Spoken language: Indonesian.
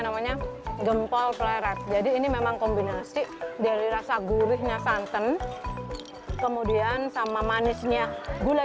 namanya gempol pleret jadi ini memang kombinasi dari rasa gurihnya santan kemudian sama manisnya gula